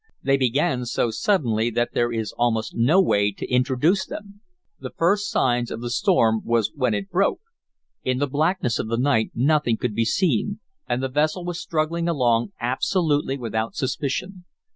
They began so suddenly that there is almost no way to introduce them. The first signs of the storm was when it broke. In the blackness of the night nothing could be seen, and the vessel was struggling along absolutely without suspicion.